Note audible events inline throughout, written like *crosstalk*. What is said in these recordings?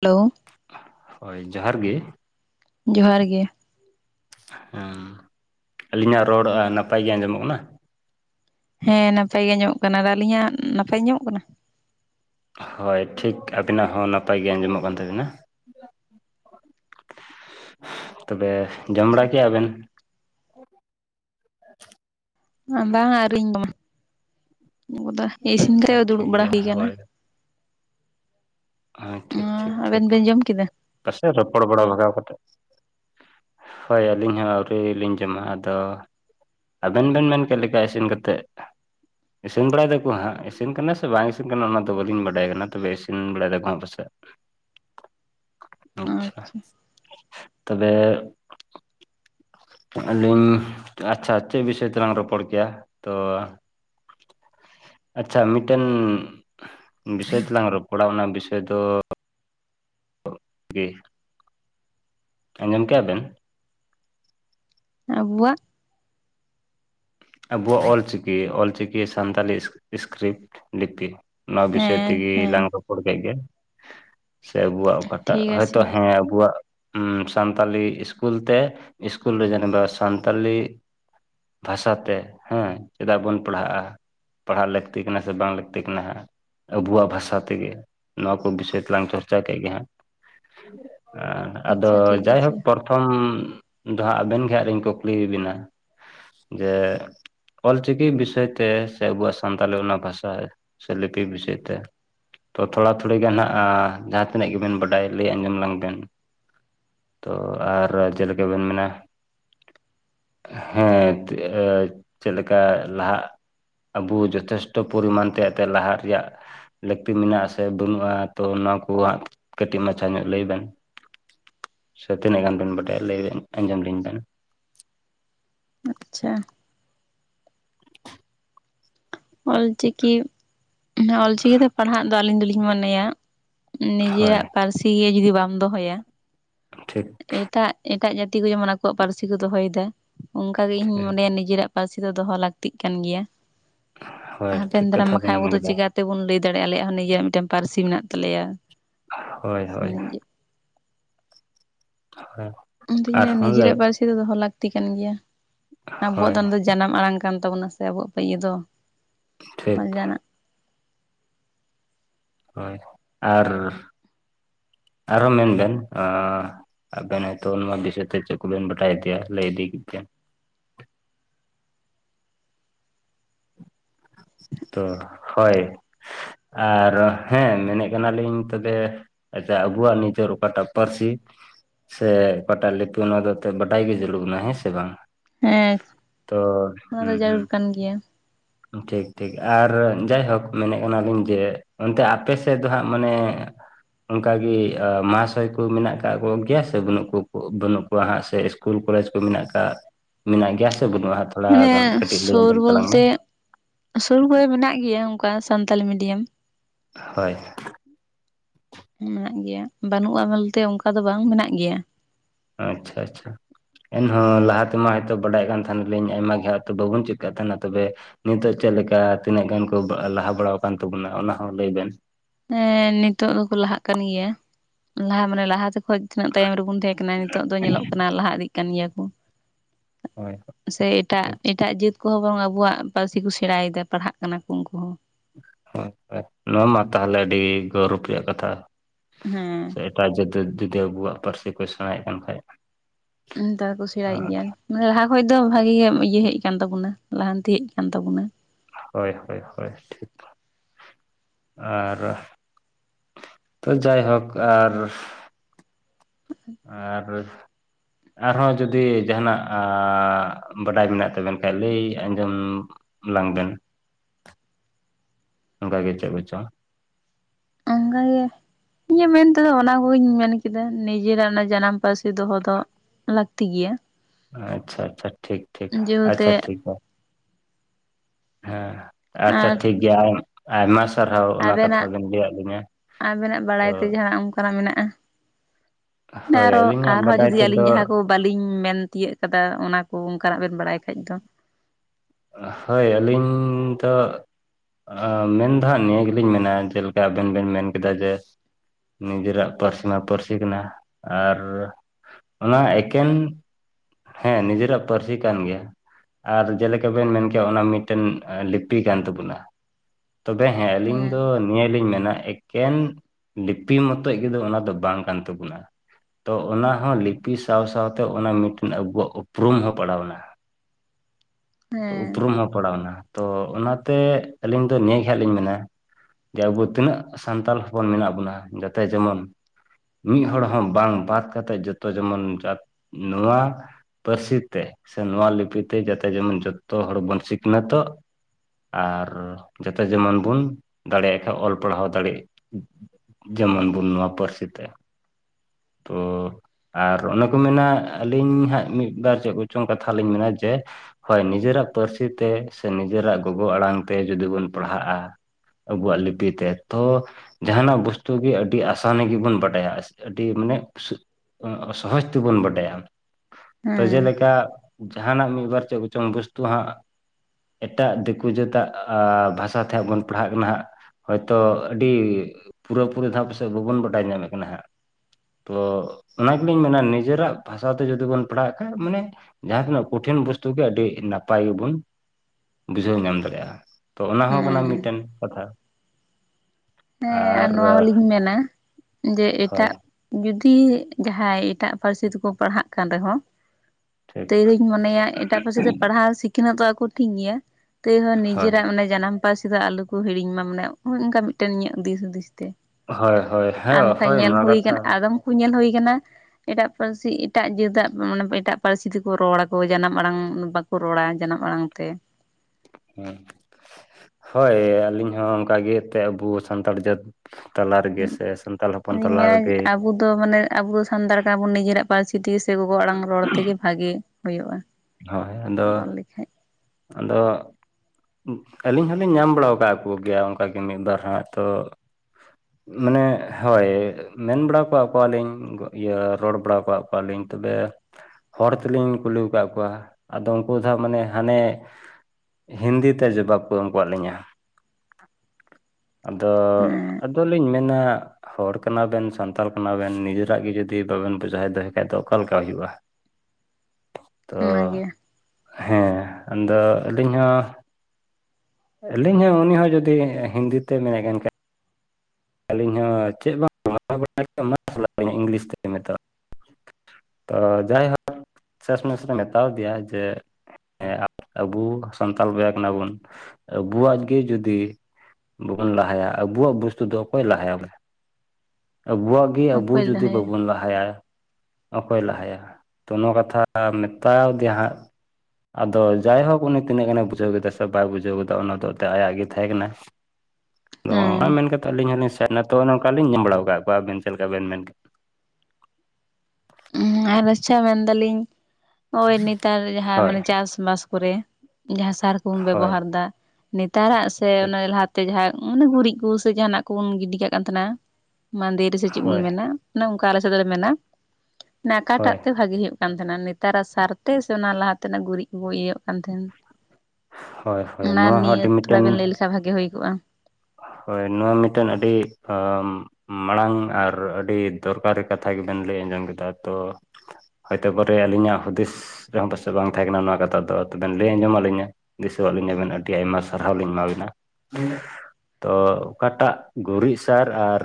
Hello. *inaudible* ᱦᱳᱭ ᱡᱚᱦᱟᱨ ᱜᱮ ᱾ ᱡᱚᱦᱟᱨ ᱜᱮ᱾ *inaudible* ᱦᱮᱸ ᱟᱹᱞᱤᱧᱟᱜ ᱨᱚᱲ ᱱᱟᱯᱟᱭ ᱜᱮ ᱟᱸᱡᱚᱢᱚᱜ ᱠᱟᱱᱟ᱾ ᱦᱮᱸ ᱱᱟᱯᱟᱭ ᱜᱮ ᱟᱸᱡᱚᱢᱚᱜ ᱠᱟᱱᱟ ᱟᱨ ᱟᱹᱞᱤᱧᱟᱜ ᱱᱟᱯᱟᱭ ᱟᱸᱡᱚᱢᱚᱜ ᱠᱟᱱᱟ᱾ ᱦᱳᱭ ᱴᱷᱤᱠ᱾ ᱟᱵᱤᱱᱟᱜ ᱦᱚᱸ ᱱᱟᱯᱟᱭ ᱜᱮ ᱟᱸᱡᱚᱢᱚᱜ ᱠᱟᱱ ᱛᱟᱹᱵᱤᱱᱟ᱾ *inaudible* ᱛᱚᱵᱮ, ᱡᱚᱢ ᱵᱟᱲᱟ ᱠᱮᱜᱟ ᱵᱮᱱ᱾ ᱵᱟᱝ ᱫᱟ ᱟᱹᱣᱨᱤ ᱞᱤᱧ ᱡᱚᱢᱟ ᱡᱚᱢ ᱠᱚᱫᱚ, ᱤᱥᱤᱱ ᱟᱪᱪᱷᱟ ᱠᱟᱛᱮ ᱴᱷᱤᱠ ᱫᱩᱲᱩᱵ ᱵᱟᱲᱟ ᱦᱩᱭ ᱜᱮᱭᱟ ᱟᱠᱟᱱᱟ᱾ ᱦᱳᱭ ᱦᱳᱭ ᱴᱷᱤᱠ᱾ ᱟᱵᱮᱱ ᱵᱤᱱ ᱡᱚᱢ ᱠᱮᱫᱟ? ᱯᱟᱥᱮᱫ ᱨᱚᱯᱚᱲ ᱵᱟᱲᱟ ᱵᱷᱟᱜᱟᱣ ᱠᱟᱛᱮ᱾ ᱦᱳᱭ ᱟᱹᱞᱤᱧ ᱦᱚᱸ ᱟᱹᱣᱨᱤ ᱞᱤᱧ ᱡᱚᱢᱟ, ᱟᱫᱚ ᱟᱵᱮᱱ ᱵᱤᱱ ᱢᱮᱱ ᱠᱮᱫ ᱞᱮᱠᱟ ᱤᱥᱤᱱ ᱠᱟᱛᱮᱜ ᱤᱥᱤᱱ ᱵᱟᱲᱟᱭ ᱫᱟᱠᱚ ᱦᱟᱸᱜ, ᱤᱥᱤᱱ ᱠᱟᱱᱟ ᱥᱮ ᱵᱟᱝ ᱤᱥᱤᱱ ᱠᱟᱱᱟ ᱚᱱᱟ ᱫᱚ ᱵᱟᱹᱞᱤᱧ ᱵᱟᱰᱟᱭ ᱠᱟᱱᱟ ᱛᱚᱵᱮ ᱤᱥᱤᱱ ᱵᱟᱲᱟᱭ ᱫᱟ ᱠᱚ᱾ ᱵᱟᱝ ᱯᱟᱥᱮᱜ *inaudible* ᱟᱪᱪᱷᱟ ᱛᱚᱵᱮ ᱟᱹᱞᱤᱧ, ᱟᱪᱪᱷᱟ ᱪᱮᱫ ᱵᱤᱥᱟᱹᱭ ᱛᱮᱞᱟᱝ ᱨᱚᱯᱚᱲ ᱠᱮᱭᱟ᱾ ᱛᱚ ᱟᱪᱪᱷᱟ ᱢᱤᱫᱴᱮᱝ ᱵᱤᱥᱟᱹᱭ ᱛᱮᱞᱟᱝ ᱨᱚᱯᱚᱲᱟ, ᱚᱱᱟ ᱵᱤᱥᱟᱹᱭ ᱫᱚ ᱜᱤ *inaudible* ᱟᱸᱡᱚᱢ ᱠᱮᱜᱟ ᱵᱤᱱ᱾ ᱟᱵᱩᱣᱟᱜ ᱟᱵᱚᱣᱟᱜ ᱚᱞ ᱪᱤᱠᱤ, ᱚᱞ ᱪᱤᱠᱤ ᱥᱟᱱᱛᱟᱞᱤ ᱤᱥᱠᱨᱤᱯᱴ ᱞᱤᱯᱤ᱾ ᱱᱚᱣᱟ ᱵᱤᱥᱟᱹᱭ ᱦᱮᱸ ᱛᱮᱜᱤ ᱦᱮᱸ ᱞᱟᱝ ᱨᱚᱯᱚᱲ ᱠᱮᱫ ᱜᱮ ᱥᱮ ᱟᱵᱚᱣᱟᱜ ᱚᱠᱟ ᱴᱟᱜ ᱴᱷᱤᱠ ᱦᱚᱭ ᱛᱚ ᱟᱪᱷᱮ ᱦᱮᱸ ᱟᱵᱚᱣᱟᱜ ᱥᱟᱱᱛᱟᱞᱤ ᱤᱥᱠᱩᱞ ᱛᱮ ᱤᱥᱠᱩᱞ ᱨᱮᱡᱟᱜ ᱥᱟᱱᱛᱟᱞᱤ ᱵᱷᱟᱥᱟ ᱛᱮ, ᱦᱮᱸ ᱪᱮᱫᱟᱜ ᱵᱚᱱ ᱯᱟᱲᱦᱟᱜ-ᱟ? ᱯᱟᱲᱦᱟᱜ ᱞᱟᱹᱠᱛᱤ ᱠᱟᱱᱟ ᱥᱮ ᱵᱟᱝ ᱞᱟᱹᱠᱛᱤ ᱠᱟᱱᱟ ᱦᱟᱸᱜ ᱾ ᱟᱹᱵᱩᱣᱟᱜ ᱵᱷᱟᱥᱟ ᱛᱮ ᱜᱮ ᱱᱚᱣᱟ ᱠᱚ ᱵᱤᱥᱟᱹᱭ ᱛᱮᱞᱟᱝ ᱪᱚᱨᱪᱟ ᱠᱮᱫ ᱜᱮ ᱦᱟᱸᱜ᱾ ᱟ ᱟᱫᱚ ᱟᱪᱪᱷᱟ ᱴᱷᱤᱠ ᱟᱪᱷᱮ ᱡᱟᱭᱦᱚᱠ ᱯᱚᱨ ᱛᱷᱚᱢ ᱫᱚᱦᱟᱸᱜ ᱟᱵᱮᱱ ᱜᱮ ᱦᱟᱸᱜ ᱞᱤᱧ ᱠᱩᱠᱞᱤ ᱵᱤᱱᱟ, ᱡᱮ ᱚᱞ ᱪᱤᱠᱤ ᱵᱤᱥᱟᱹᱭ ᱛᱮ ᱥᱮ ᱟᱵᱚᱣᱟᱜ ᱥᱟᱱᱛᱟᱞᱤ ᱚᱱᱟ ᱵᱷᱟᱥᱟ ᱥᱮ ᱞᱤᱯᱤ ᱵᱤᱥᱟᱹᱭ ᱛᱮ ᱾ ᱛᱚ ᱛᱷᱚᱲᱟ ᱛᱷᱩᱲᱤ ᱜᱮᱱᱦᱟᱜ ᱟᱸ ᱡᱟᱦᱟᱸ ᱛᱤᱱᱟᱹᱜ ᱜᱮ ᱵᱤᱱ ᱵᱟᱰᱟᱭ ᱞᱟᱹᱭ ᱟᱸᱡᱚᱢ ᱞᱟᱝ ᱵᱤᱱ᱾ ᱛᱚ ᱟᱨ ᱪᱮᱫ ᱞᱮᱠᱟ ᱵᱤᱱ ᱢᱮᱱᱟ᱾ ᱦᱮᱸ ᱛᱮ ᱟᱹ ᱪᱮᱜ ᱞᱮᱠᱟ ᱞᱟᱦᱟᱜ᱾ ᱟᱵᱩ ᱡᱚᱛᱷᱮᱥᱴᱚ ᱯᱚᱨᱤᱢᱟᱱ ᱛᱮ ᱮᱛᱮ ᱞᱟᱦᱟᱜ ᱨᱮᱭᱟᱜ᱾ ᱞᱟᱹᱠᱛᱤ ᱢᱮᱱᱟᱜ-ᱟ ᱥᱮ ᱵᱟᱹᱱᱩᱜᱼᱟ, ᱛᱚ ᱱᱚᱣᱟ ᱠᱚ ᱦᱟᱸᱜ ᱠᱟᱴᱤᱡ ᱢᱟᱪᱷᱟ ᱧᱚᱜ ᱞᱟᱹᱭ ᱵᱮᱱ᱾ ᱥᱮ ᱛᱤᱱᱟᱹᱜ ᱜᱟᱱ ᱵᱮᱱ ᱵᱟᱰᱟᱭᱟ ᱞᱟᱹᱭ ᱵᱮᱱ ᱟᱸᱡᱚᱢ ᱞᱤᱧ ᱵᱮᱱ᱾ ᱟᱪᱪᱷᱟ ᱚᱞᱪᱤᱠᱤ ᱚᱞᱪᱤᱠᱤ ᱛᱮ ᱯᱟᱲᱦᱟᱜ ᱫᱚ ᱟᱞᱤᱧ ᱫᱚᱞᱤᱧ ᱢᱚᱱᱮᱭᱟ ᱦᱳᱭ ᱱᱤᱡᱮᱨᱟᱜ ᱯᱟᱹᱨᱥᱤ ᱜᱮ ᱡᱩᱫᱤ ᱵᱟᱢ ᱫᱚᱦᱚᱭᱟ ᱴᱷᱤᱠ ᱮᱴᱟᱜ ᱮᱴᱟᱜ ᱡᱟᱹᱛᱤ ᱠᱚ ᱡᱮᱢᱚᱱ ᱟᱠᱚᱣᱟᱜ ᱯᱟᱹᱨᱥᱤ ᱠᱚ ᱫᱚᱦᱚᱭᱫᱟ ᱚᱝᱠᱟ ᱜᱮ ᱤᱧᱤᱧ ᱴᱷᱤᱠ ᱢᱚᱱᱮᱭᱟ ᱱᱤᱡᱮᱨᱟᱜ ᱯᱟᱹᱨᱥᱤ ᱫᱚ ᱫᱚᱦᱚ ᱞᱟᱠᱛᱤᱜ ᱠᱟᱱ ᱜᱮᱭᱟ ᱦᱳᱭ ᱦᱟᱯᱮᱱ ᱴᱷᱤᱠ ᱫᱟᱨᱟᱢ ᱠᱟᱛᱷᱟ ᱵᱟᱠᱷᱟᱡ ᱵᱮᱱ ᱟᱵᱚ ᱢᱮᱱ ᱫᱚ ᱠᱮᱫᱟ ᱪᱤᱠᱟ ᱛᱮᱵᱩᱱ ᱞᱟᱹᱭ ᱫᱟᱲᱮᱭᱟᱜ-ᱟ ᱟᱞᱮᱭᱟᱜ ᱦᱚᱸ ᱱᱤᱡᱮᱨᱟᱜ ᱢᱤᱫᱴᱟᱝ ᱯᱟᱹᱨᱥᱤ ᱢᱮᱱᱟᱜ ᱛᱟᱞᱮᱭᱟ ᱦᱳᱭ ᱦᱳᱭ ᱦᱮᱸ *inaudible* ᱤᱧᱫᱚᱧ ᱢᱮᱱ ᱱᱤᱡᱮᱨᱟᱜ ᱯᱟᱹᱨᱥᱤ ᱫᱚ ᱫᱚᱦᱚ ᱞᱟᱠᱛᱤ ᱠᱟᱱ ᱜᱮᱭᱟ ᱦᱳᱭ ᱟᱵᱚᱣᱟᱜ ᱫᱚ ᱡᱟᱱᱟᱢ ᱟᱲᱟᱝ ᱠᱟᱱ ᱛᱟᱵᱚᱱᱟ ᱥᱮ ᱟᱵᱚᱣᱟᱜ ᱯᱟᱹ ᱤᱭᱟᱹ ᱫᱚ ᱴᱷᱤᱠ ᱡᱟᱦᱟᱱᱟᱜ ᱦᱳᱭ ᱟᱨ ᱟᱨᱚ ᱢᱮᱱ ᱵᱮᱱ ᱟᱵᱮᱱ ᱦᱚᱭᱛᱳ ᱱᱚᱣᱟ ᱵᱤᱥᱚᱭ ᱛᱮ ᱪᱮᱫ ᱠᱚᱵᱮᱱ ᱵᱟᱰᱟᱭ ᱛᱮ ᱞᱟᱹᱭ ᱤᱫᱤ ᱠᱟᱛᱮ ᱛᱚ ᱦᱚᱭ ᱟᱨ ᱦᱮᱸ ᱢᱮᱱᱮᱫ ᱠᱟᱱᱟᱞᱤᱧ ᱛᱚᱵᱮ ᱟᱪᱪᱷᱟ ᱟᱵᱩᱣᱟᱜ ᱱᱤᱡᱮᱨ ᱚᱠᱟᱴᱟᱜ ᱯᱟᱹᱨᱥᱤ ᱥᱮ ᱚᱠᱟᱴᱟᱜ ᱞᱤᱯᱤ ᱚᱱᱟ ᱫᱚ ᱮᱛᱮ ᱵᱟᱰᱟᱭ ᱜᱮ ᱡᱟᱨᱩᱲ ᱠᱟᱱᱟ ᱦᱮᱸ ᱥᱮ ᱵᱟᱝ ᱦᱮᱸ ᱛᱚ ᱚᱱᱟ ᱫᱚ ᱦᱩᱸ ᱦᱩᱸ ᱡᱟᱹᱨᱩᱲ ᱠᱟᱱ ᱜᱮᱭᱟ ᱴᱷᱤᱠ ᱴᱷᱤᱠ ᱟᱨ ᱡᱟᱭᱦᱳᱠ ᱢᱮᱱᱮᱫ ᱠᱟᱱᱟᱞᱤᱧ ᱡᱮ ᱚᱱᱛᱮ ᱟᱯᱮ ᱥᱮᱫ ᱫᱚ ᱦᱟᱸᱜ ᱢᱟᱱᱮ ᱚᱝᱠᱟ ᱜᱤ ᱢᱟᱦᱟᱥᱚᱭ ᱠᱩ ᱢᱮᱱᱟᱜ ᱠᱟᱜ ᱠᱚᱜᱮᱭᱟ ᱥᱮ ᱵᱟᱹᱱᱩᱜ ᱠᱩ ᱠᱩ ᱵᱟᱹᱱᱩᱜ ᱠᱚᱣᱟ ᱦᱟᱸᱜ ᱥᱮ ᱠᱩᱞ ᱠᱚᱞᱮᱡᱽ ᱠᱩ ᱢᱮᱱᱟᱜ ᱠᱟᱜ ᱢᱮᱱᱟᱜ ᱜᱮᱭᱟ ᱥᱮ ᱵᱟᱹᱱᱩᱜᱼᱟ ᱛᱷᱚᱲᱟ ᱢᱟᱱᱮ ᱜᱟᱱ ᱠᱟᱹᱴᱤᱡ ᱞᱟᱹᱭ ᱥᱳᱨ ᱟᱸᱡᱚᱢ ᱛᱟᱞᱟᱝ ᱢᱮ ᱵᱚᱞᱛᱮ ᱥᱩᱨ ᱠᱚᱨᱮ ᱢᱮᱱᱟᱜ ᱜᱮᱭᱟ ᱚᱝᱠᱟ ᱥᱟᱱᱛᱟᱞᱤ ᱢᱤᱰᱤᱭᱟᱢ ᱦᱚᱭ ᱢᱮᱱᱟᱜ ᱜᱮᱭᱟ ᱵᱟᱹᱱᱩᱜᱼᱟ ᱵᱚᱞᱛᱮ ᱚᱱᱠᱟ ᱫᱚ ᱵᱟᱝ ᱢᱮᱱᱟᱜ ᱜᱮᱭᱟ ᱟᱪᱪᱷᱟ ᱟᱪᱪᱷᱟ ᱮᱱᱦᱚᱸ ᱞᱟᱦᱟ ᱛᱮᱢᱟ ᱦᱚᱭᱛᱚ ᱵᱟᱰᱟᱭ ᱠᱟᱱ ᱛᱟᱦᱮᱱᱟᱞᱤᱧ ᱟᱭᱢᱟ ᱜᱮ ᱛᱚ ᱵᱟᱵᱩᱱ ᱪᱮᱫ ᱠᱟᱫ ᱛᱟᱦᱮᱱᱟ ᱛᱚᱵᱮ ᱱᱤᱛᱚᱜ ᱪᱮᱫ ᱞᱮᱠᱟ ᱛᱤᱱᱟᱹᱜ ᱜᱟᱱ ᱠᱩ ᱞᱟᱦᱟ ᱵᱟᱲᱟᱣ ᱠᱟᱱ ᱛᱟᱵᱩᱱᱟ ᱚᱱᱟ ᱦᱚᱸ ᱞᱟᱹᱭ ᱵᱮᱱ ᱦᱮᱸ ᱱᱤᱛᱚᱜ ᱫᱚᱠᱚ ᱞᱟᱦᱟᱜ ᱠᱟᱱ ᱜᱮᱭᱟ ᱞᱟᱦᱟ ᱢᱟᱱᱮ ᱞᱟᱦᱟᱛᱮ ᱠᱷᱚᱡ ᱛᱤᱱᱟᱹᱜ ᱛᱟᱭᱚᱢ ᱨᱮᱵᱩᱱ ᱛᱟᱦᱮᱸ ᱠᱟᱱᱟ ᱠᱟᱱᱟ ᱱᱤᱛᱚᱜ ᱫᱚ ᱧᱮᱞᱚᱜ ᱠᱟᱱᱟ ᱞᱟᱦᱟ ᱤᱫᱤᱜ ᱠᱟᱱ ᱜᱮᱭᱟ ᱠᱩ ᱦᱳᱭ ᱥᱮ ᱮᱴᱟᱜ ᱮᱴᱟᱜ ᱡᱟᱹᱛ ᱠᱚ ᱦᱚᱸ ᱵᱚᱨᱚᱝ ᱟᱵᱩᱣᱟᱜ ᱯᱟᱹᱨᱥᱤ ᱠᱚ ᱥᱮᱬᱟᱭᱮᱫᱟ ᱯᱟᱲᱦᱟᱜ ᱠᱟᱱᱟ ᱠᱩ ᱩᱱᱠᱩ ᱦᱚᱸ ᱦᱚᱭ ᱦᱚᱭ ᱱᱚᱣᱟ ᱢᱟ ᱛᱟᱦᱞᱮ ᱟᱹᱰᱤ ᱜᱚᱨᱚᱵᱽ ᱨᱮᱭᱟᱜ ᱠᱟᱛᱷᱟ ᱦᱮᱸ ᱥᱮ ᱮᱴᱟᱜ ᱡᱟᱹᱛ ᱡᱩᱫᱤ ᱟᱵᱩᱣᱟᱜ ᱯᱟᱹᱨᱥᱤ ᱠᱚ ᱥᱮᱬᱟᱭᱮᱫ ᱠᱟᱱ ᱠᱷᱟᱡ ᱱᱮᱛᱟᱨ ᱠᱚ ᱥᱮᱬᱟᱭᱮᱫ ᱜᱮᱭᱟ ᱢᱟᱱᱮ ᱞᱟᱦᱟ ᱠᱷᱚᱡ ᱫᱚ ᱵᱷᱟᱹᱜᱤ ᱜᱮ ᱤᱭᱟᱹ ᱦᱮᱡ ᱠᱟᱱ ᱛᱟᱵᱩᱱᱟ ᱞᱟᱦᱟᱱᱛᱤ ᱦᱮᱡ ᱟᱠᱟᱱ ᱛᱟᱵᱩᱱᱟ ᱦᱚᱭ ᱦᱚᱭ ᱦᱚᱭ ᱴᱷᱤᱠ ᱟᱨ ᱛᱚ ᱡᱟᱭᱦᱚᱠ ᱟᱨ ᱟᱨ ᱟᱨᱦᱚᱸ ᱡᱩᱫᱤ ᱡᱟᱦᱟᱱᱟᱜ ᱵᱟᱰᱟᱭ ᱢᱮᱱᱟᱜ ᱛᱟᱵᱮᱱ ᱠᱷᱟᱡ ᱞᱟᱹᱭ ᱟᱸᱡᱚᱢ ᱞᱟᱝ ᱵᱮᱱ ᱚᱱᱠᱟᱜᱤ ᱪᱮᱫ ᱠᱚᱪᱚ ᱚᱝᱠᱟ ᱜᱮ ᱤᱧᱟᱹᱜ ᱢᱮᱱᱛᱮᱫᱚ ᱚᱱᱟ ᱠᱚᱜᱮᱧ ᱢᱮᱱ ᱠᱮᱫᱟ ᱱᱤᱡᱮᱨᱟᱜ ᱚᱱᱟ ᱡᱟᱱᱟᱢ ᱯᱟᱹᱨᱥᱤ ᱫᱚᱦᱚ ᱫᱚ ᱞᱟᱠᱛᱤ ᱜᱮᱭᱟ ᱟᱪᱪᱷᱟ ᱟᱪᱪᱷᱟ ᱴᱷᱤᱠ ᱴᱷᱤᱠ ᱟᱪᱪᱷᱟ ᱡᱮᱦᱮᱛᱮ ᱴᱷᱤᱠ ᱦᱮᱸ ᱟᱪᱪᱷᱟ ᱟᱨ ᱴᱷᱤᱠ ᱜᱮᱭᱟ ᱟᱭᱢᱟ ᱥᱟᱨᱦᱟᱣ ᱚᱱᱟ ᱠᱟᱛᱷᱟ ᱟᱵᱮᱱᱟᱜ ᱵᱮᱱ ᱞᱟᱹᱭᱟᱫ ᱞᱤᱧᱟ ᱟᱵᱮᱱᱟᱜ ᱵᱟᱲᱟᱭ ᱛᱮ ᱡᱟᱦᱟᱱᱟᱜ ᱚᱱᱠᱟᱱᱟᱜ ᱢᱮᱱᱟᱜᱼᱟ ᱦᱳᱭ ᱟᱨᱚ ᱟᱹᱞᱤᱧᱟᱜ ᱟᱨᱦᱚᱸ ᱵᱟᱰᱟᱭ ᱡᱩᱫᱤ ᱟᱹᱞᱤᱧ ᱛᱮᱫᱚ ᱡᱟᱦᱟᱸ ᱠᱚ ᱵᱟᱹᱞᱤᱧ ᱢᱮᱱ ᱛᱤᱭᱳᱜ ᱠᱟᱫᱟ ᱚᱱᱟ ᱠᱚ ᱚᱱᱠᱟᱱᱟᱜ ᱵᱮᱱ ᱵᱟᱲᱟᱭ ᱠᱷᱟᱡ ᱫᱚ ᱦᱳᱭ ᱟᱹᱞᱤᱧ ᱫᱚ ᱢᱮᱱ ᱫᱚ ᱦᱟᱸᱜ ᱱᱤᱭᱟᱹ ᱜᱮᱞᱤᱧ ᱢᱮᱱᱟ ᱡᱮᱞᱮᱠᱟ ᱟᱵᱮᱱ ᱵᱮᱱ ᱢᱮᱱ ᱠᱮᱫᱟ ᱡᱮ ᱱᱤᱡᱮᱨᱟᱜ ᱯᱟᱹᱨᱥᱤᱢᱟ ᱯᱟᱹᱨᱥᱤ ᱠᱟᱱᱟ ᱟᱨ ᱚᱱᱟ ᱮᱠᱮᱱ ᱦᱮᱸ ᱱᱤᱡᱮᱨᱟᱜ ᱯᱟᱹᱨᱥᱤ ᱠᱟᱱ ᱜᱮᱭᱟ ᱟᱨ ᱡᱮᱞᱮᱠᱟ ᱵᱮᱱ ᱢᱮᱱ ᱠᱮᱭᱟ ᱚᱱᱟ ᱢᱤᱫᱴᱮᱱ ᱞᱤᱯᱤ ᱠᱟᱱ ᱛᱟᱵᱚᱱᱟ᱾ ᱛᱚᱵᱮ ᱦᱮᱸ ᱟᱹᱞᱤᱧ ᱫᱚ ᱱᱤᱭᱟᱹ ᱞᱤᱧ ᱢᱮᱱᱟ, ᱠᱮᱱ ᱞᱤᱯᱤ ᱢᱚᱛᱚᱡ ᱜᱮ ᱫᱚ ᱚᱱᱟ ᱫᱚ ᱵᱟᱝ ᱠᱟᱱ ᱛᱟᱵᱚᱱᱟ᱾ ᱛᱚ ᱚᱱᱟ ᱦᱚᱸ ᱞᱤᱯᱤ ᱥᱟᱶ ᱥᱟᱶᱛᱮ ᱚᱱᱟ ᱢᱤᱫᱴᱮᱱ ᱟᱵᱚᱣᱟᱜ ᱩᱯᱨᱩᱢ ᱦᱚᱸ ᱯᱟᱲᱟᱣᱱᱟ᱾ ᱚ ᱦᱮᱸ ᱩᱯᱨᱩᱢ ᱦᱚᱸ ᱯᱟᱲᱟᱣᱱᱟ ᱛᱚ ᱚᱱᱟᱛᱮ ᱟᱹᱞᱤᱧ ᱫᱚ ᱱᱤᱭᱟᱹᱜᱮ ᱦᱟᱸᱜ ᱞᱤᱧ ᱢᱮᱱᱟ ᱡᱮ ᱟᱵᱚ ᱛᱤᱱᱟᱹᱜ ᱥᱟᱱᱛᱟᱞ ᱦᱚᱯᱚᱱ ᱢᱮᱱᱟᱜ ᱵᱚᱱᱟ ᱡᱟᱛᱮ ᱡᱮᱢᱚᱱ ᱢᱤᱫ ᱦᱚᱲ ᱦᱚᱸ ᱵᱟᱝ ᱵᱟᱫ ᱠᱟᱛᱮᱫ ᱡᱚᱛᱚ ᱡᱮᱢᱚᱱ ᱡᱟᱛ ᱱᱚᱣᱟ ᱯᱟᱹᱨᱥᱤ ᱛᱮ ᱥᱮ ᱱᱚᱣᱟ ᱞᱤᱯᱤ ᱛᱮ ᱡᱟᱛᱮ ᱡᱮᱢᱚᱱ ᱡᱚᱛᱚ ᱦᱚᱲ ᱵᱚᱱ ᱥᱤᱠᱷᱱᱟᱹᱛᱚᱜ ᱟᱨ ᱡᱟᱛᱮ ᱡᱮᱢᱚᱱ ᱵᱚᱱ ᱫᱟᱲᱮᱭᱟᱜ ᱠᱷᱟᱡ ᱚᱞ ᱯᱟᱲᱦᱟᱣ ᱫᱟᱲᱮᱜ ᱡᱮᱢᱚᱱ ᱵᱚᱱ ᱱᱚᱣᱟ ᱯᱟᱨᱥᱤ ᱛᱮ ᱛᱚ ᱟᱨ ᱚᱱᱮ ᱠᱚ ᱢᱮᱱᱟ ᱟᱹᱞᱤᱧ ᱦᱟᱸᱜ ᱢᱤᱫᱵᱟᱨ ᱪᱮᱫ ᱠᱚᱪᱚᱝ ᱠᱟᱛᱷᱟ ᱞᱤᱧ ᱢᱮᱱᱟ ᱡᱮ, ᱦᱳᱭ ᱱᱤᱡᱮᱨᱟᱜ ᱯᱟᱹᱨᱥᱤ ᱛᱮ ᱥᱮ ᱱᱤᱡᱮᱨᱟᱜ ᱜᱚᱜᱚ ᱟᱲᱟᱝ ᱛᱮ ᱡᱩᱫᱤ ᱵᱚᱱ ᱯᱟᱲᱦᱟᱜᱼᱟ, ᱟᱵᱚᱣᱟᱜ ᱞᱤᱯᱤ ᱛᱮ ᱛᱚ ᱡᱟᱦᱟᱱᱟᱜ ᱵᱩᱚᱥᱛᱩ ᱜᱮ ᱟᱹᱰᱤ ᱟᱥᱟᱱᱤ ᱜᱮᱵᱚᱱ ᱵᱟᱰᱟᱭᱟ ᱟᱹᱰᱤ ᱢᱟᱱᱮ ᱥᱚᱦᱚᱡ ᱛᱮᱵᱚᱱ ᱵᱟᱰᱟᱭᱟ, ᱛᱚ ᱦᱮᱸ ᱡᱮᱞᱮᱠᱟ ᱡᱟᱦᱟᱱᱟᱜ ᱢᱤᱫᱵᱟᱨ ᱪᱮᱫ ᱪᱚᱝ ᱵᱚᱥᱛᱩ ᱦᱟᱸᱜ ᱮᱴᱟᱜ ᱫᱤᱠᱩ ᱡᱟᱹᱛᱟᱜ ᱵᱷᱟᱥᱟ ᱛᱮᱦᱟᱸᱜ ᱵᱚᱱ ᱯᱟᱲᱦᱟᱜ ᱠᱟᱱᱟ ᱦᱟᱸᱜ ᱦᱳᱭ ᱛᱚ ᱟᱹᱰᱤ ᱯᱩᱨᱟᱹ ᱯᱩᱨᱤ ᱫᱷᱟᱣ ᱯᱟᱥᱮᱡ ᱵᱟᱵᱚᱱ ᱵᱟᱰᱟᱭ ᱧᱟᱢᱮᱫ ᱠᱟᱱᱟ ᱦᱟᱸᱜ ᱛᱚ ᱚᱱᱟ ᱜᱮᱞᱤᱧ ᱢᱮᱱᱟ ᱱᱤᱡᱮᱨᱟᱜ ᱵᱷᱟᱥᱟ ᱛᱮ ᱡᱩᱫᱤ ᱵᱚᱱ ᱯᱟᱲᱦᱟᱣᱟᱜ ᱠᱷᱟᱡ ᱢᱟᱱᱮ ᱡᱟᱦᱟᱸ ᱛᱤᱱᱟᱹᱜ ᱠᱚᱴᱤᱱ ᱵᱚᱥᱛᱩ ᱜᱮ ᱟᱹᱰᱤ ᱱᱟᱯᱟᱭ ᱜᱮᱵᱚᱱ ᱵᱩᱡᱷᱟᱹᱣ ᱧᱟᱢ ᱫᱟᱲᱮᱭᱟᱜᱼᱟ, ᱛᱚ ᱚᱱᱟ ᱦᱚᱸ ᱠᱟᱱᱟ ᱦᱮᱸ ᱢᱤᱫᱴᱮᱱ ᱠᱟᱛᱷᱟ᱾ ᱦᱮᱸ ᱟᱨ ᱱᱚᱣᱟ ᱦᱚᱞᱤᱧ ᱢᱮᱱᱟ ᱡᱮ ᱦᱳᱭ ᱮᱴᱟᱜ ᱡᱚᱫᱤ ᱡᱟᱦᱟᱸᱭ ᱮᱴᱟᱜ ᱯᱟᱹᱨᱥᱤ ᱛᱮᱠᱚ ᱯᱟᱲᱦᱟᱜ ᱠᱟᱱ ᱨᱮᱦᱚᱸ, ᱴᱷᱤᱠ ᱛᱟᱹᱭ ᱫᱩᱧ ᱢᱚᱱᱮᱭᱟ ᱮᱴᱟᱜ ᱯᱟᱹᱨᱥᱤ ᱛᱮ ᱯᱟᱲᱦᱟᱣ ᱥᱤᱠᱷᱱᱟᱹᱛ ᱚᱜ ᱟᱠᱚ ᱴᱷᱤᱠ ᱜᱮᱭᱟ, ᱛᱟᱹᱭ ᱦᱚᱸ ᱦᱳᱭ ᱱᱤᱡᱮᱨᱟᱜ ᱢᱟᱱᱮ ᱡᱟᱱᱟᱢ ᱯᱟᱹᱨᱥᱤ ᱫᱚ ᱟᱞᱚ ᱠᱚ ᱦᱤᱲᱤᱧ ᱢᱟ ᱢᱟᱱᱮ ᱚᱱ ᱚᱱᱠᱟ ᱢᱤᱫᱴᱮᱱ ᱤᱧᱟᱹᱜ ᱫᱤᱥ ᱦᱩᱫᱤᱥ ᱛᱮ᱾ ᱦᱳᱭ ᱦᱳᱭ ᱟᱨ ᱦᱮᱸ ᱵᱟᱠᱷᱟᱡ ᱦᱳᱭ ᱧᱮᱞ ᱱᱚᱣᱟ ᱦᱩᱭ ᱠᱟᱛᱷᱟ ᱠᱟᱱᱟ ᱟᱫᱚᱢ ᱠᱚ ᱧᱮᱞ ᱦᱩᱭ ᱠᱟᱱᱟ, ᱮᱴᱟᱜ ᱯᱟᱹᱨᱥᱤ ᱮᱴᱟᱜ ᱡᱟᱹᱛᱟᱜ ᱢᱟᱱᱮ ᱮᱴᱟᱜ ᱯᱟᱹᱨᱥᱤ ᱛᱮᱠᱚ ᱨᱚᱲ ᱟᱠᱚ ᱡᱟᱱᱟᱢ ᱟᱲᱟᱝ ᱵᱟ ᱠᱚ ᱨᱚᱲᱟ ᱡᱟᱱᱟᱢ ᱟᱲᱟᱝ ᱛᱮ᱾ ᱦᱚᱸ ᱦᱳᱭ ᱟᱹᱞᱤᱧ ᱦᱚᱸ ᱚᱱᱠᱟ ᱜᱮ ᱮᱱᱛᱮᱫ ᱟᱵᱚ ᱥᱟᱱᱛᱟᱲ ᱡᱟᱹᱛ ᱛᱟᱞᱟ ᱨᱮᱜᱮ ᱥᱮ ᱥᱟᱱᱛᱟᱲ ᱦᱚᱯᱚᱱ ᱛᱞᱟ ᱨᱮᱜᱮ, ᱛᱚ ᱢᱟᱱᱮ ᱟᱵᱚ ᱫᱚ ᱥᱟᱱᱛᱟᱲ ᱠᱟᱱᱟ ᱵᱚᱱ ᱱᱤᱡᱮᱨᱟᱜ ᱯᱟᱹᱨᱥᱤ ᱛᱮᱜᱮ ᱥᱮ ᱜᱚᱜᱚ ᱟᱲᱟᱝ ᱨᱚᱲ ᱛᱮᱜᱮ ᱵᱷᱟᱜᱮ ᱦᱩᱭᱩᱜᱼᱟ᱾ ᱦᱳᱭ ᱟᱫᱚ ᱨᱚᱲ ᱞᱮᱠᱷᱟᱱ ᱟᱫᱚ ᱟᱹᱞᱤᱧ ᱦᱚᱸᱞᱤᱧ ᱧᱟᱢ ᱵᱟᱲᱟ ᱠᱟᱜ ᱠᱚ ᱜᱮᱭᱟ ᱚᱱᱠᱟ ᱜᱮ ᱢᱤᱫ ᱵᱟᱨ ᱦᱟᱸᱜ ᱛᱚ ᱢᱟᱱᱮ ᱦᱳᱭ ᱢᱮᱱ ᱵᱟᱲᱟ ᱠᱟᱜ ᱠᱚᱣᱟ ᱞᱤᱧ ᱤᱭᱟᱹ ᱨᱚᱲ ᱵᱟᱲᱟ ᱠᱟᱜ ᱠᱚᱣᱟ ᱞᱤᱧ ᱛᱚᱵᱮ ᱦᱚᱲ ᱛᱮᱞᱤᱧ ᱠᱩᱞᱤ ᱟᱠᱟᱜ ᱠᱚᱣᱟ ᱟᱫᱚ ᱩᱱᱠᱩ ᱫᱚ ᱦᱟᱜ ᱢᱟᱱᱮ ᱦᱟᱱᱮ ᱦᱤᱱᱫᱤ ᱛᱮ ᱡᱚᱵᱟᱵ ᱠᱚ ᱮᱢ ᱠᱟᱜ ᱞᱤᱧᱟᱹ ᱟᱫᱚ ᱦᱮᱸ ᱟᱫᱚ ᱞᱤᱧ ᱢᱮᱱᱟ, ᱦᱚᱲ ᱠᱟᱱᱟ ᱵᱮᱱ ᱥᱟᱱᱛᱟᱲ ᱠᱟᱱᱟ ᱵᱮᱱ ᱱᱤᱡᱮᱨᱟᱜ ᱜᱮ ᱡᱩᱫᱤ ᱵᱟᱵᱮᱱ ᱵᱚᱡᱟᱭ ᱫᱚᱦᱚᱭ ᱠᱷᱟᱡ ᱫᱚ ᱚᱠᱟ ᱞᱮᱠᱟ ᱦᱩᱭᱩᱜᱼᱟ? ᱛᱚ ᱚᱱᱟᱜᱮ ᱦᱮᱸ ᱟᱫᱚ ᱟᱹᱞᱤᱧ ᱦᱚᱸ ᱟᱹᱞᱤᱧ ᱦᱚᱸ ᱩᱱᱤ ᱦᱚᱸ ᱡᱩᱫᱤ ᱦᱤᱱᱫᱤ ᱛᱮ ᱢᱮᱱᱮᱫ ᱠᱟᱱ ᱠᱷᱟᱡ ᱟᱹᱞᱤᱧ ᱦᱚᱸ ᱪᱮᱫ ᱵᱟᱝᱤᱧ *inaudible* ᱤᱝᱞᱤᱥ ᱛᱮ ᱢᱮᱛᱟᱜᱼᱟ ᱛᱚ ᱡᱟᱭᱦᱳᱠ ᱥᱮᱥ ᱢᱮᱥ ᱨᱮ ᱢᱮᱛᱟᱣ ᱫᱮᱭᱟ ᱡᱮ ᱟᱵᱚ ᱥᱟᱱᱛᱟᱞ ᱵᱚᱭᱦᱟ ᱠᱟᱱᱟ ᱵᱚᱱ ᱟᱵᱚᱣᱟᱜ ᱜᱮ ᱡᱩᱫᱤ ᱵᱟᱵᱚᱱ ᱞᱟᱦᱟᱭᱟ ᱟᱵᱚᱣᱟᱜ ᱵᱚᱥᱛᱩ ᱫᱚ ᱚᱠᱚᱭ ᱞᱟᱦᱟᱭᱟ, ᱟᱵᱚᱣᱟᱜ ᱜᱮ ᱟᱵᱚ ᱚᱠᱚᱭ ᱡᱩᱫᱤ ᱞᱟᱦᱟᱭᱟᱭ ᱵᱟᱵᱚᱱ ᱞᱟᱦᱟᱭᱟ ᱚᱠᱚᱭ ᱞᱟᱦᱟᱭᱟ ᱛᱚ ᱱᱚᱣᱟ ᱠᱟᱛᱷᱟ ᱢᱮᱛᱟᱣ ᱫᱮᱭᱟ ᱦᱟᱸᱜ, ᱟᱫᱚ ᱡᱟᱭᱦᱳᱠ ᱩᱱᱤ ᱛᱤᱱᱟᱹᱜ ᱜᱟᱱᱮ ᱵᱩᱡᱷᱟᱹᱣ ᱠᱮᱫᱟ ᱥᱮ ᱵᱟᱭ ᱵᱩᱡᱷᱟᱹᱣ ᱠᱮᱫᱟ ᱚᱱᱟ ᱫᱚ ᱮᱱᱛᱮ ᱟᱭᱟᱜ ᱜᱮ ᱛᱟᱦᱮᱸ ᱠᱟᱱᱟ᱾ ᱟᱫᱚᱜ ᱚᱱᱟ ᱦᱮᱸ ᱢᱮᱱ ᱠᱟᱛᱮᱫ ᱟᱹᱞᱤᱧ ᱦᱚᱸᱞᱤᱧ ᱥᱮᱱ ᱮᱱᱟ ᱛᱚ ᱚᱱᱮ ᱱᱚᱱᱠᱟᱞᱤᱧ ᱢᱮᱱ ᱵᱟᱲᱟ ᱟᱠᱟᱫ ᱠᱚᱣᱟ ᱟᱵᱮᱱ ᱪᱮᱫ ᱞᱮᱠᱟ ᱵᱮᱱ ᱢᱮᱱ ᱠᱮᱜ ᱟᱨ ᱟᱪᱪᱷᱟ ᱢᱮᱱᱫᱟᱞᱤᱧ ᱱᱚᱜᱼᱚᱭ ᱱᱮᱛᱟᱨ ᱡᱟᱦᱟᱸ ᱦᱳᱭ ᱢᱟᱱᱮ ᱪᱟᱥ ᱵᱟᱥ ᱠᱚᱨᱮ ᱡᱟᱦᱟᱸ ᱥᱟᱨ ᱠᱚᱢ ᱦᱳᱭ ᱵᱮᱵᱚᱦᱟᱨ ᱫᱟ ᱱᱮᱛᱟᱨᱟᱜ ᱥᱮ ᱴᱷᱤᱠ ᱞᱟᱦᱟᱛᱮ ᱡᱟᱦᱟᱸ ᱢᱟᱱᱮ ᱜᱩᱨᱤᱡ ᱠᱚ ᱥᱮ ᱡᱟᱦᱱᱟᱜ ᱠᱚᱵᱚᱱ ᱜᱤᱰᱤ ᱠᱟᱜ ᱠᱟᱱ ᱛᱟᱦᱮᱱᱟ ᱾ ᱢᱟᱫᱮᱨ ᱥᱮ ᱪᱮᱫ ᱵᱚᱱ ᱦᱳᱭ ᱢᱮᱱᱟ ᱚᱱᱮ ᱚᱱᱠᱟ ᱟᱞᱮ ᱥᱮᱫ ᱫᱚᱞᱮ ᱢᱮᱱᱟ ᱢᱟᱱᱮ ᱚᱠᱟᱴᱟᱜ ᱦᱳᱭ ᱛᱮ ᱵᱷᱟᱜᱮ ᱦᱩᱭᱩᱜ ᱛᱟᱦᱮᱱᱟ ᱱᱮᱛᱟᱨᱟᱜ ᱥᱟᱨᱛᱮ ᱥᱮ ᱚᱱᱟ ᱞᱟᱦᱟ ᱛᱮᱱᱟᱜ ᱜᱩᱨᱤᱡ ᱠᱚᱠᱚ ᱤᱭᱟᱹᱜ ᱠᱟᱱ ᱛᱟᱦᱮᱫ ᱾ ᱦᱳᱭ ᱦᱳᱭ ᱚᱱᱟ ᱱᱚᱣᱟ ᱦᱚᱸ ᱱᱤᱭᱟᱹ ᱟᱹᱰᱤ ᱛᱷᱚᱲᱟ ᱢᱤᱫᱴᱮᱱ ᱵᱮᱱ ᱞᱟᱹᱭ ᱞᱮᱠᱷᱟᱱ ᱵᱷᱟᱜᱤ ᱦᱩᱭ ᱠᱚᱜᱼᱟ ᱦᱳᱭ ᱱᱚᱣᱟ ᱢᱤᱫᱴᱮᱱ ᱟᱹᱰᱤ ᱟ ᱢᱟᱲᱟᱝ ᱟᱨ ᱟᱹᱰᱤ ᱫᱚᱨᱠᱟᱨᱤ ᱠᱟᱛᱷᱟ ᱜᱮᱵᱮᱱ ᱞᱟᱹᱭ ᱟᱸᱡᱚᱢ ᱠᱮᱫᱟ ᱛᱚ ᱦᱚᱭᱛᱳ ᱯᱚᱨᱮ ᱟᱹᱞᱤᱧᱟᱜ ᱦᱩᱫᱤᱥ ᱨᱮᱦᱚᱸ ᱯᱟᱥᱮᱡ ᱵᱟᱝ ᱛᱟᱦᱮᱸ ᱠᱟᱱᱟ ᱱᱚᱣᱟ ᱠᱟᱛᱷᱟ ᱫᱚ ᱛᱚᱵᱮ ᱞᱟᱹᱭ ᱟᱸᱡᱚᱢ ᱟᱹᱞᱤᱧᱟ ᱾ ᱫᱤᱥᱟᱹᱣᱟᱜ ᱞᱤᱧᱟᱵᱮᱱ ᱟᱹᱰᱤ ᱟᱭᱢᱟ ᱥᱟᱨᱦᱟᱣ ᱞᱤᱧ ᱮᱢᱟᱵᱤᱱᱟ ᱾ ᱛᱚ ᱚᱠᱟᱴᱟᱜ ᱜᱩᱨᱤᱡ ᱥᱟᱨ ᱟᱨ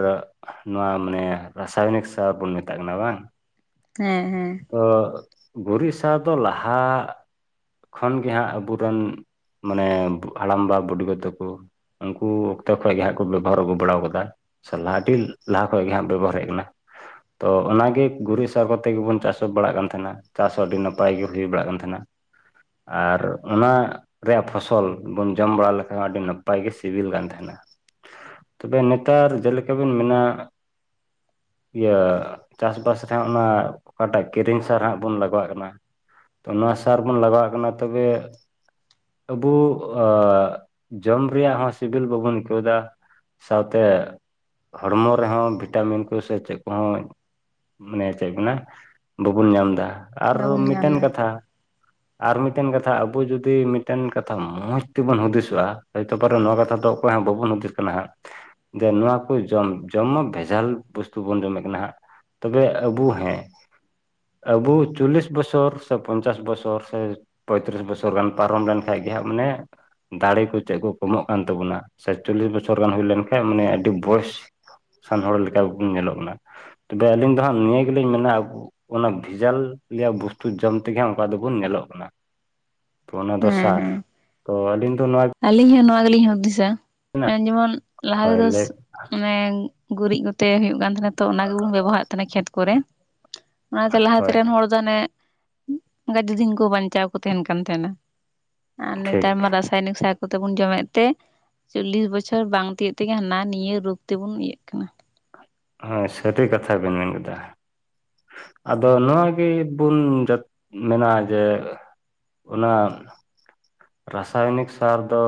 ᱱᱚᱣᱟ ᱢᱟᱱᱮ ᱨᱟᱥᱟᱭᱚᱱᱤᱠ ᱥᱟᱨ ᱵᱚᱱ ᱢᱮᱛᱟᱜ ᱠᱟᱱᱟ ᱵᱟᱝ ᱦᱮᱸ ᱦᱮᱸ ᱛᱚ ᱜᱩᱨᱤᱡ ᱫᱚ ᱞᱟᱦᱟ ᱠᱷᱚᱱ ᱜᱮ ᱦᱟᱸᱜ ᱟᱵᱚᱨᱮᱱ ᱢᱟᱱᱮ ᱦᱟᱲᱟᱢᱵᱟ ᱵᱩᱰᱤᱜᱚ ᱛᱟᱠᱚ ᱩᱱᱠᱩ ᱚᱠᱛᱮ ᱠᱷᱚᱡ ᱜᱮ ᱦᱟᱸᱜ ᱠᱚ ᱵᱮᱵᱚᱦᱟᱨ ᱟᱹᱜᱩ ᱵᱟᱲᱟ ᱟᱠᱟᱫᱟ ᱾ ᱥᱟ ᱟᱹᱰᱤ ᱞᱟᱦᱟ ᱠᱷᱚᱡ ᱜᱮ ᱦᱟᱸᱜ ᱵᱮᱵᱚᱦᱟᱨ ᱦᱮᱡ ᱠᱟᱱᱟ ᱛᱚ ᱚᱱᱟᱜᱮ ᱜᱩᱨᱤᱡ ᱥᱟᱨ ᱠᱚᱛᱮ ᱜᱮᱵᱚᱱ ᱪᱟᱥ ᱦᱚᱸ ᱵᱟᱲᱟᱜ ᱠᱟᱱ ᱛᱟᱦᱮᱱᱟ ᱪᱟᱥ ᱦᱚᱸ ᱟᱹᱰᱤ ᱱᱟᱯᱟᱭ ᱜᱮ ᱦᱩᱭ ᱵᱟᱲᱟᱜ ᱠᱟᱱ ᱛᱟᱦᱮᱱᱟ ᱟᱨ ᱚᱱᱟ ᱨᱮᱭᱟᱜ ᱯᱷᱚᱥᱚᱞ ᱵᱚᱱ ᱡᱚᱢ ᱵᱟᱲᱟ ᱞᱮᱠᱷᱟᱱ ᱟᱹᱰᱤ ᱱᱟᱯᱟᱭ ᱜᱮ ᱥᱤᱵᱤᱞ ᱠᱟᱱ ᱛᱟᱦᱮᱱᱟ ᱾ ᱛᱚᱵᱮ ᱱᱮᱛᱟᱨ ᱡᱮᱞᱮᱠᱟ ᱵᱤᱱ ᱢᱮᱱᱟ ᱤᱭᱟᱹ ᱪᱟᱥᱵᱟᱥ ᱨᱮ ᱚᱱᱟ ᱚᱠᱟᱴᱟᱜ ᱠᱤᱨᱤᱧ ᱥᱟᱨ ᱦᱟᱸᱜ ᱵᱚᱱ ᱞᱟᱜᱟᱣᱟᱜ ᱠᱟᱱᱟ ᱛᱚ ᱱᱚᱣᱟ ᱥᱟᱨ ᱵᱚᱱ ᱞᱟᱜᱟᱣᱟᱜ ᱠᱟᱱᱟ ᱛᱚᱵᱮ ᱟᱵᱚ ᱡᱚᱢ ᱨᱮᱭᱟᱜ ᱦᱚᱸ ᱥᱤᱵᱤᱞ ᱵᱟᱵᱚᱱ ᱟᱹᱭᱠᱟᱹᱣᱫᱟ ᱾ ᱥᱟᱶᱛᱮ ᱦᱚᱲᱢᱚ ᱨᱮᱦᱚᱸ ᱵᱷᱤᱴᱟᱢᱤᱱ ᱠᱚ ᱥᱮ ᱪᱮᱫ ᱠᱚᱦᱚᱸ ᱢᱟᱱᱮ ᱪᱮᱫ ᱢᱮᱱᱟ ᱵᱟᱵᱚᱱ ᱧᱟᱢᱫᱟ ᱟᱨ ᱵᱟᱵᱚᱱ ᱧᱟᱢ ᱢᱤᱫᱴᱮᱱ ᱮᱫᱟ ᱠᱟᱛᱷᱟ ᱟᱨ ᱢᱤᱫᱴᱮᱱ ᱠᱟᱛᱷᱟ ᱟᱵᱚ ᱡᱩᱫᱤ ᱢᱤᱫᱴᱮᱱ ᱠᱟᱛᱷᱟ ᱢᱚᱸᱡᱽ ᱛᱮᱵᱚᱱ ᱦᱩᱫᱤᱥᱚᱜᱼᱟ ᱦᱚᱭᱛᱚ ᱯᱚᱨᱮ ᱱᱚᱣᱟ ᱠᱟᱛᱷᱟ ᱫᱚ ᱚᱠᱚᱭ ᱦᱚᱸ ᱵᱟᱵᱚᱱ ᱦᱩᱫᱤᱥ ᱠᱟᱱᱟ ᱦᱟᱸᱜ ᱡᱮ ᱱᱚᱣᱟ ᱠᱚ ᱡᱚᱢ ᱡᱚᱢ ᱢᱟ ᱵᱷᱮᱡᱟᱞ ᱵᱚᱥᱛᱩ ᱵᱚᱱ ᱡᱚᱢᱮᱫ ᱠᱟᱱᱟ ᱦᱟᱸᱜ ᱛᱚᱵᱮ ᱟᱵᱚ ᱦᱮᱸ ᱟᱵᱚ ᱪᱚᱞᱞᱤᱥ ᱵᱚᱪᱷᱚᱨ ᱥᱮ ᱯᱚᱧᱪᱟᱥ ᱵᱚᱪᱷᱚᱨ ᱥᱮ ᱯᱚᱸᱭᱛᱨᱤᱥ ᱵᱚᱪᱷᱚᱨ ᱜᱟᱱ ᱯᱟᱨᱚᱢ ᱞᱮᱱᱠᱷᱟᱡ ᱜᱮ ᱦᱟᱸᱜ ᱢᱟᱱᱮ ᱫᱟᱲᱮ ᱠᱚ ᱪᱮᱫ ᱠᱚ ᱠᱚᱢᱚᱜ ᱠᱟᱱ ᱛᱟᱵᱚᱱᱟ ᱥᱮ ᱪᱚᱞᱞᱤᱥ ᱵᱚᱪᱷᱚᱨ ᱜᱟᱱ ᱦᱩᱭ ᱞᱮᱱᱠᱷᱟᱱᱡ ᱢᱟᱱᱮ ᱟᱹᱰᱤ ᱵᱚᱭᱮᱥ ᱥᱟᱱ ᱦᱚᱲ ᱞᱮᱠᱟᱵᱚᱱ ᱧᱮᱞᱚᱜ ᱠᱟᱱᱟ ᱛᱚᱵᱮ ᱟᱹᱞᱤᱧ ᱫᱚ ᱦᱟᱸᱜ ᱱᱤᱭᱟᱹ ᱜᱮᱞᱤᱧ ᱢᱮᱱᱟ ᱟᱵᱚ ᱚᱱᱟ ᱵᱷᱮᱡᱟᱞ ᱨᱮᱭᱟᱜ ᱵᱩᱥᱛᱩ ᱡᱚᱢ ᱛᱮᱜᱮ ᱚᱱᱠᱟ ᱫᱚᱵᱚᱱ ᱧᱮᱞᱚᱜ ᱠᱟᱱᱟ ᱾ ᱚ ᱚᱱᱟ ᱫᱚ ᱥᱟᱨ ᱛᱚ ᱟᱹᱞᱤᱧ ᱫᱚ ᱱᱚᱣᱟ ᱟᱞᱤᱧ ᱦᱚᱸ ᱱᱚᱣᱟ ᱜᱮᱞᱤᱧ ᱦᱩᱫᱤᱥᱟ ᱡᱮᱢᱚᱱ ᱞᱟᱦᱟ ᱦᱳᱭ ᱛᱮᱫᱚ ᱞᱟᱹᱭ ᱢᱟᱱᱮ ᱜᱩᱨᱤᱡ ᱠᱚᱛᱮ ᱦᱩᱭᱩᱜ ᱠᱟᱱ ᱛᱟᱦᱮᱱᱟ ᱛᱚ ᱚᱱᱟ ᱜᱮᱵᱚᱱ ᱵᱮᱵᱚᱦᱟᱨᱮᱫ ᱛᱟᱦᱮᱱᱟ ᱠᱷᱮᱛ ᱠᱚᱨᱮ ᱾ ᱚᱱᱟᱛᱮ ᱞᱟᱦᱟᱛᱮ ᱦᱳᱭ ᱨᱮᱱ ᱦᱚᱲ ᱫᱚ ᱚᱱᱮ ᱜᱟᱹᱡᱮ ᱫᱤᱱ ᱠᱚ ᱵᱟᱧᱪᱟᱣ ᱠᱚ ᱛᱟᱦᱮᱱ ᱠᱟᱱ ᱛᱟᱦᱮᱱᱟ ᱾ ᱟᱨ ᱴᱷᱤᱠ ᱱᱮᱛᱟᱨ ᱢᱟ ᱨᱟᱥᱟᱭᱚᱱᱤᱠ ᱥᱟᱨ ᱠᱚᱛᱮ ᱵᱚᱱ ᱡᱚᱢᱮᱫ ᱛᱮ ᱪᱚᱞᱞᱤᱥ ᱵᱚᱪᱷᱚᱨ ᱵᱟᱝ ᱛᱤᱭᱳᱜ ᱛᱮᱜᱮ ᱦᱟᱱᱟ ᱱᱤᱭᱟᱹ ᱨᱳᱜ ᱛᱮᱵᱚᱱ ᱤᱭᱟᱹᱜ ᱠᱟᱱᱟ ᱾ ᱦᱳ ᱥᱟᱹᱨᱤ ᱠᱟᱛᱷᱟ ᱵᱤᱱ ᱢᱮᱱ ᱠᱮᱫᱟ ᱾ ᱟᱫᱚ ᱱᱚᱣᱟ ᱜᱮᱵᱚᱱ ᱢᱮᱱᱟᱜᱼᱟ ᱡᱮ ᱚᱱᱟ ᱨᱟᱥᱟᱭᱱᱤᱠ ᱥᱟᱨ ᱫᱚ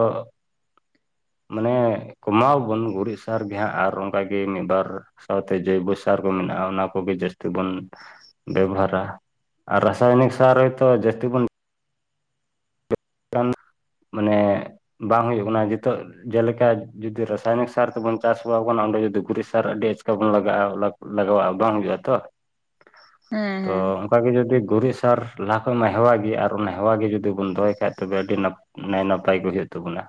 ᱢᱟᱱᱮ ᱠᱚᱢᱟᱣᱵᱚᱱ ᱜᱩᱨᱤᱡ ᱥᱟᱨ ᱜᱮᱦᱟᱸᱜ ᱟᱨ ᱚᱱᱠᱟᱜᱮ ᱢᱤᱫᱵᱟᱨ ᱥᱟᱶᱛᱮ ᱡᱳᱭᱵᱚ ᱥᱟᱨ ᱠᱚ ᱢᱮᱱᱟᱜᱼᱟ ᱚᱱᱟ ᱠᱚᱜᱮ ᱡᱟᱹᱥᱛᱤ ᱵᱚᱱ ᱵᱮᱵᱚᱦᱟᱨᱟ ᱟᱨ ᱨᱟᱥᱟᱭᱱᱤᱠ ᱥᱟᱨ ᱦᱚᱭᱛᱳ ᱡᱟᱥᱛᱤ ᱵᱚᱱ ᱟᱱ ᱢᱟᱱᱮ ᱵᱟᱝ ᱦᱩᱭᱩᱜ ᱠᱟᱱᱟ ᱱᱤᱛᱚᱜ ᱡᱮᱞᱮᱠᱟ ᱡᱩᱫᱤ ᱨᱟᱥᱟᱭᱚᱱᱤᱠ ᱥᱟᱨ ᱛᱮᱵᱚᱱ ᱪᱟᱥ ᱵᱟ *unintelligible* *unintelligible* ᱚᱸᱰᱮ ᱡᱩᱫᱤ ᱜᱩᱨᱤᱡ ᱥᱟᱨ ᱟᱹᱰᱤ *unintelligible* *unintelligible* ᱛᱚᱵᱚᱱ ᱞᱟᱜᱟᱜᱼᱟ ᱞᱟᱜᱟᱣᱼᱟ ᱵᱟᱝ ᱦᱩᱭᱩᱜᱼᱟ ᱛᱚ᱾ ᱛᱚ ᱦᱮᱸ ᱚᱱᱠᱟᱜᱮ ᱡᱩᱫᱤ ᱜᱩᱨᱤᱡ ᱥᱟᱨ ᱞᱟᱦᱟ ᱠᱷᱚᱡ ᱢᱟ ᱦᱮᱣᱟ ᱜᱮ ᱟᱨ ᱚᱱᱟ ᱦᱮᱣᱟ ᱜᱮ ᱡᱩᱫᱤ ᱵᱚᱱ ᱫᱚᱦᱚᱭ ᱠᱷᱟᱡ ᱼᱼ ᱛᱚᱵᱮ ᱟᱹᱰᱤ ᱱᱟᱮ *unintelligible* ᱱᱟᱯᱟᱭ ᱜᱮ ᱦᱩᱭᱩᱜ ᱛᱟᱵᱚᱱᱟ।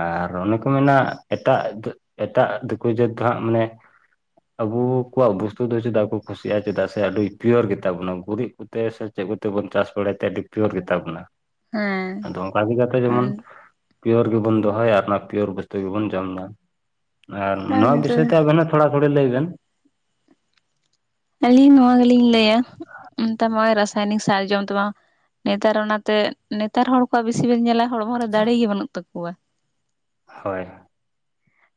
ᱟᱨ ᱚᱱᱮ ᱠᱚ ᱢᱮᱱᱟ ᱮᱴᱟᱜ ᱮᱴᱟᱜ ᱫᱤᱠᱩ ᱡᱟᱹᱛ ᱫᱚᱦᱟᱸᱜ ᱢᱟᱱᱮ ᱼᱼ ᱟᱵᱚ ᱠᱚᱣᱟᱜ ᱵᱚᱥᱛᱩ ᱫᱚ ᱪᱮᱫᱟᱜ ᱠᱚ ᱠᱩᱥᱤᱭᱟᱜᱼᱟ ᱪᱮᱫᱟᱜ ᱥᱮ ᱟᱹᱰᱤ ᱯᱤᱭᱳᱨ ᱜᱮ ᱛᱟᱵᱚᱱᱟ ᱜᱩᱨᱤᱡ। ᱛᱮ *unintelligible* ᱥᱮ ᱪᱮᱫ ᱠᱚᱛᱮ ᱵᱚᱱ ᱪᱟᱥ ᱵᱟᱲᱟᱭ ᱛᱮ ᱟᱹᱰᱤ ᱯᱤᱭᱳᱨ ᱜᱮᱛᱟ ᱵᱚᱱᱟ। ᱦᱮᱸ ᱟᱫᱚ ᱚᱝᱠᱟ ᱜᱮ ᱡᱟᱛᱮ ᱡᱮᱢᱚᱱ ᱦᱮᱸ ᱼᱼ ᱯᱤᱭᱳᱨ ᱜᱮᱵᱚᱱ ᱫᱚᱦᱚᱭᱟ ᱚᱱᱟ ᱯᱤᱭᱳᱨ ᱵᱚᱥᱛᱩ ᱜᱮᱵᱚᱱ ᱡᱚᱢᱫᱟ ᱟᱨ ᱱᱚᱣᱟ ᱵᱤᱥᱚᱭ ᱛᱮ ᱟᱵᱮᱱᱟᱜ ᱼᱼ ᱛᱷᱚᱲᱟ ᱛᱷᱚᱲᱤ ᱞᱟᱹᱭ ᱵᱮᱱ ᱟᱹᱞᱤᱧ ᱱᱚᱣᱟ ᱜᱮᱞᱤᱧ ᱞᱟᱹᱭᱟ ᱼᱼ ᱛᱚᱭ *unintelligible* ᱨᱟᱥᱟᱭᱱᱤᱠ ᱥᱟᱨᱡᱚᱢ ᱛᱟᱢᱟ ᱱᱮᱛᱟᱨ ᱚᱱᱟᱛᱮ ᱱᱮᱛᱟᱨ ᱦᱚᱲ ᱼᱼ ᱩᱱᱣᱟᱜ *unintelligible* ᱵᱮᱥᱤ ᱵᱤᱱ ᱧᱮᱞᱟ ᱦᱚᱲᱢᱚ ᱨᱮ ᱫᱟᱲᱮ ᱜᱮ ᱵᱟᱹᱱᱩᱜ ᱛᱟᱠᱚᱣᱟ। ᱦᱳᱭ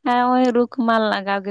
ᱦᱮᱸ ᱱᱚᱜᱼᱚᱭ *unintelligible* ᱨᱩᱠ ᱢᱟᱞ *unintelligible* ᱞᱟᱜᱟᱣ ᱜᱮ।